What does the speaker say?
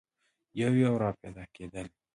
یو یو را پیدا کېدل.